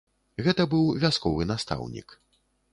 Гэта быў вясковы настаўнік.